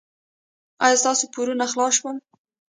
ایا ستاسو پورونه خلاص شول؟